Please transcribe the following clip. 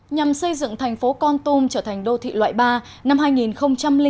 nhằm xây dựng thành phố con tum trở thành đô thị loại ba năm hai nghìn bốn